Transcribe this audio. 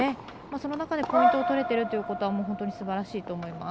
その中で、ポイントを取れてるということは本当にすばらしいと思います。